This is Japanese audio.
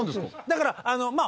だからまあ。